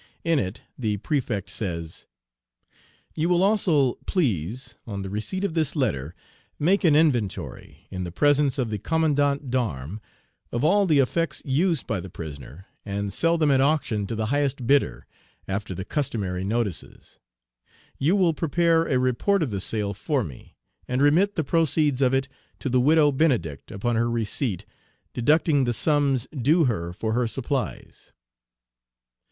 In it the Prefect says, "You will also please, on the receipt of this letter, make an inventory, in the presence of the Commandant d'Armes, of all the effects used by the prisoner, and sell them at auction to the highest bidder, after the customary notices. You will prepare a report of the sale for me, and remit the proceeds of it to the Widow Benedict upon her receipt, deducting the sums due her for her supplies."